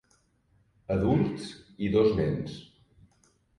Adults i dos nens.